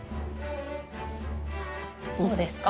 どうですか？